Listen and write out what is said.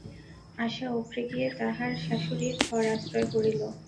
আশা উপরে গিয়া তাহার শাশুড়ির ঘর আশ্রয় করিল।